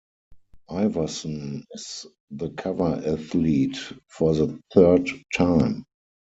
Iverson is the cover athlete for the third time.